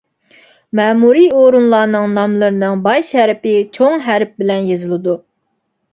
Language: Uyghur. مەمۇرىي ئورۇنلارنىڭ ناملىرىنىڭ باش ھەرپى چوڭ ھەرپ بىلەن يېزىلىدۇ.